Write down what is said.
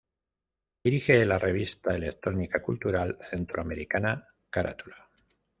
Dirige la revista electrónica cultural centroamericana "Carátula".